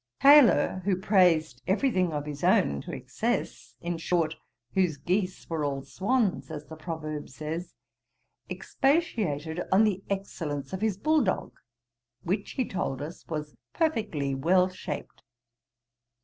Taylor, who praised every thing of his own to excess; in short, 'whose geese were all swans,' as the proverb says, expatiated on the excellence of his bull dog, which, he told us, was 'perfectly well shaped.'